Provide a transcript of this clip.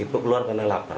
ibu keluar karena lapar